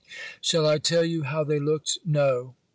Shall I tell you how they looked? No!